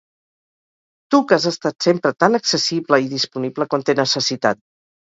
Tu que has estat sempre tan accessible i disponible quan t’he necessitat.